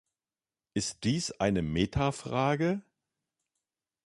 Ist dies eine Meta-Frage?